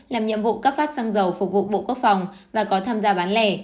làm nhiệm vụ cấp phát xăng dầu phục vụ bộ quốc phòng và có tham gia bán lẻ